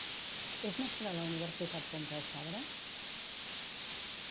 És mestra a la Universitat Pompeu Fabra?